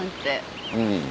うん。